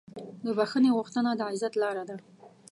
د بښنې غوښتنه د عزت لاره ده.